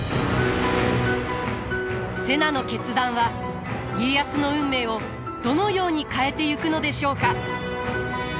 瀬名の決断は家康の運命をどのように変えてゆくのでしょうか？